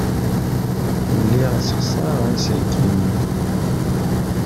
Lliɣ ssexṣareɣ iselkimen.